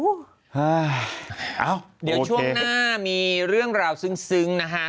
เอ้าเดี๋ยวช่วงหน้ามีเรื่องราวซึ้งนะฮะ